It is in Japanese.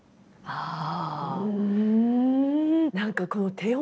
ああ。